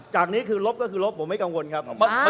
จากนี้คือลบก็คือลบผมไม่กังวลครับ